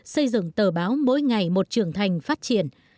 xây dựng tờ báo mỗi ngày một trưởng thành phát triển